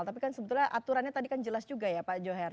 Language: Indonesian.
tapi kan sebetulnya aturannya tadi kan jelas juga ya pak joher